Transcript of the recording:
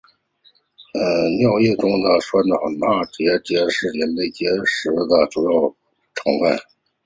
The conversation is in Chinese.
尿液中的草酸钙结晶是人类肾结石的主要成分。